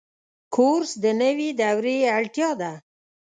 کورس د نوي دورې اړتیا ده.